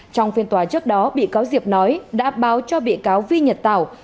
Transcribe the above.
trong phiên tòa trước đó bị cáo diệp nói đã báo cho bị cáo vi nhật tảo